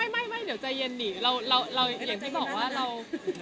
อะไรนะไม่เดี๋ยวใจเย็นอย่างที่บอกว่าเรา